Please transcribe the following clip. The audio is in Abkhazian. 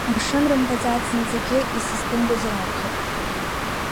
Амшын рымбаӡацт, зынӡагьы исызҭымгозар акәхап…